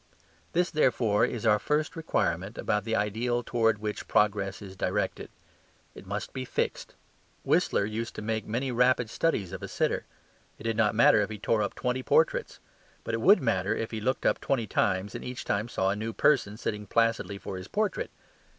This, therefore, is our first requirement about the ideal towards which progress is directed; it must be fixed. Whistler used to make many rapid studies of a sitter; it did not matter if he tore up twenty portraits. But it would matter if he looked up twenty times, and each time saw a new person sitting placidly for his portrait.